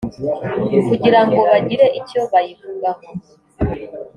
kugira ngo bagire icyo bayivugaho